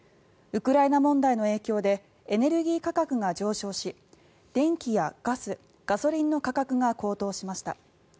ウクライナ問題の影響でエネルギー価格が上昇し電気やガス、ガソリンの価格が高騰しました。